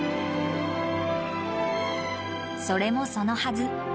それもそのはず。